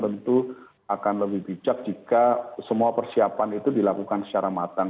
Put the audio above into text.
tentu akan lebih bijak jika semua persiapan itu dilakukan secara matang